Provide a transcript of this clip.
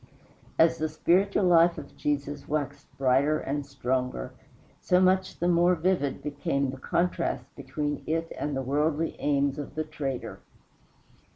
As the spiritual life of Jesus waxed brighter and stronger, so much the more vivid became the contrast between it and the worldly aims of the traitor.